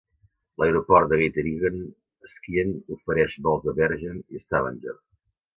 L'aeroport de Geiteryggen a Skien ofereix vols a Bergen i Stavanger.